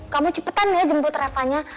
kamu cipetan deh jemput revanya